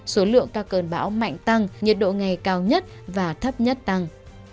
số liệu ca cơn bão mạnh tăng nhiệt độ ngày cao nhất và thấp nhất tăng